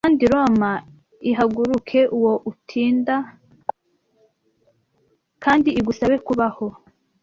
Kandi Roma ihaguruke uwo utinda , kandi igusabe kubaho.